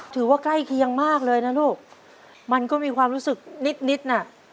ใกล้เคียงมากเลยนะลูกมันก็มีความรู้สึกนิดนิดน่ะ